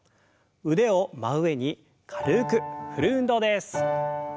腕を真上に軽く振る運動です。